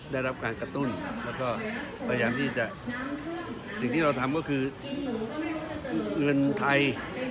ได้รับการกระตุ้นแล้วก็พยายามที่จะสิ่งที่เราทำก็คือเงินไทย